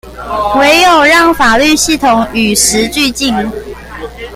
唯有讓法律系統與時俱進